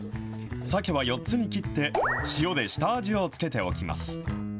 さけは４つに切って、塩で下味を付けておきます。